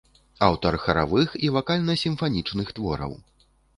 Аўтар харавых і вакальна-сімфанічных твораў.